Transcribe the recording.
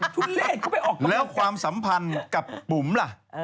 ชุ่นเลทเข้าไปเอาความสัมพันธ์กับบุ๋มล่ะ